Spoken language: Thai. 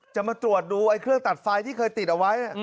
จะมาตรวจดูเครื่องตัดไฟที่เคยติดเอาไว้